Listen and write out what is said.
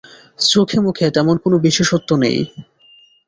চোখে-মুখে তেমন কোনো বিশেষত্ব নেই।